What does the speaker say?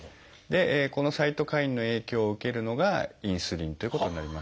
このサイトカインの影響を受けるのがインスリンということになります。